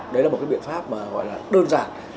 đấy là một biện pháp đơn giản